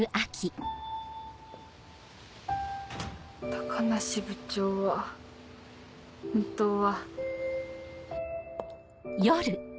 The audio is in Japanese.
高梨部長は本当は。